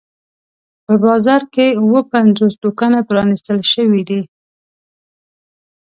په بازار کې اووه پنځوس دوکانونه پرانیستل شوي دي.